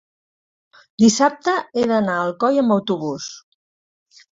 Dissabte he d'anar a Alcoi amb autobús.